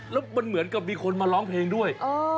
แล้วมันเหมือนกับมีคนมาร้องเพลงด้วย